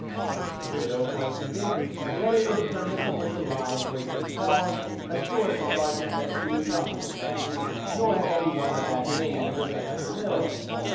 The widow, quite convinced that it was permissible to lie for a good cause, assured THE WOLF LEADER 45 the Sergeant that she knew nothing of Landry, nor had any one of that name ever been at the Mill.